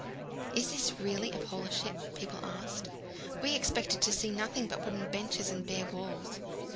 "Is this really a Polar ship?" people asked; "we expected to see nothing but wooden benches and bare walls."